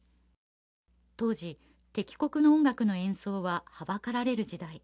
当時、敵国の音楽の演奏ははばかられる時代。